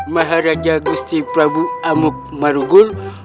maharaja gusti prabu amuk marugul